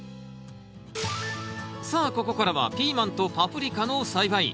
さあここからはピーマンとパプリカの栽培。